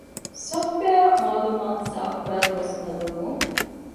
ސޮފްޓްވެއާއަށް މައުޅުމާތު ސާފުކުރާ ދުވަސް ބަދަލުވުން